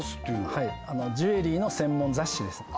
はいジュエリーの専門雑誌ですね